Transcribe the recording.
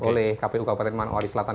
oleh kpu kabupaten manori selatan